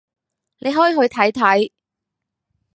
你可以去睇睇